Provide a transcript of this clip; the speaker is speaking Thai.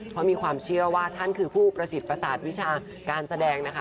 เพราะมีความเชื่อว่าท่านคือผู้ประสิทธิ์ประสาทวิชาการแสดงนะคะ